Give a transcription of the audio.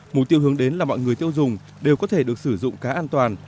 mục tiêu hướng đến là mọi người tiêu dùng đều có thể được sử dụng cá an toàn